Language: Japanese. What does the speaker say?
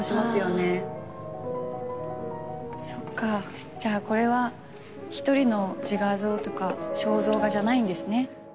そっかじゃこれは１人の自画像とか肖像画じゃないんですね。